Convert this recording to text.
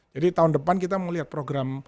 jadi tahun depan kita mau lihat program